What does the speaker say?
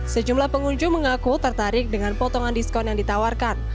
sejumlah pengunjung mengaku tertarik dengan potongan diskon yang ditawarkan